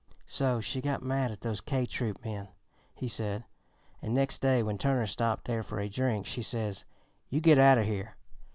"So she got mad at those K troop men," he said. "An' nex' day when Turner stopped there for a drink she says: 'You git outer yere!